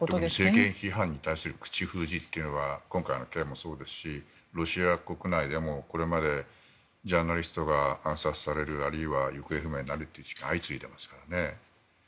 政権批判に対する口封じというのは今回の件もそうですしロシア国内でもこれまでジャーナリストが暗殺されるあるいは行方不明になる事件が相次いでいますからね。